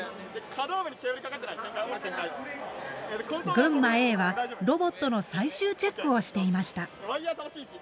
群馬Ａはロボットの最終チェックをしていました。